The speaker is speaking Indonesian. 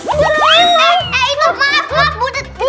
eh eh itu mah